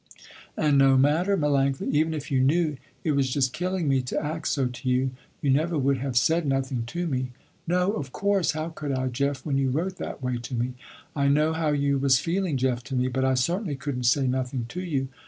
"And no matter Melanctha, even if you knew, it was just killing me to act so to you, you never would have said nothing to me?" "No of course, how could I Jeff when you wrote that way to me. I know how you was feeling Jeff to me, but I certainly couldn't say nothing to you."